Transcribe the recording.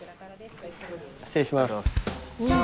失礼します。